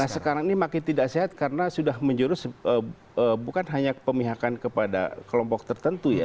nah sekarang ini makin tidak sehat karena sudah menjurus bukan hanya pemihakan kepada kelompok tertentu ya